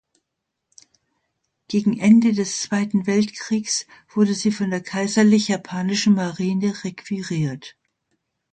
Gegen Ende des Zweiten Weltkriegs wurde sie von der Kaiserlich Japanischen Marine requiriert.